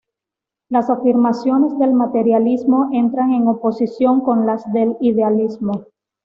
Las afirmaciones del materialismo entran en oposición con las del idealismo.